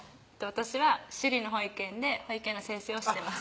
私は首里の保育園で保育園の先生をしています